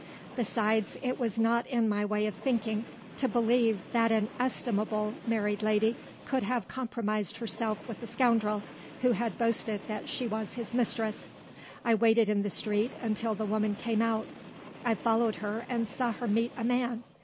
Besides, it was not in my way of thinking to believe that an estimable married lady could have compromised herself with a scoundrel, who had boasted that she was his mistress. I waited in the street, until the woman came out. I followed her, and saw her meet a man.